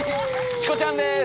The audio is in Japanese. チコちゃんです